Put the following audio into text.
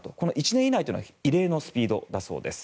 １年以内というのは異例のスピードだそうです。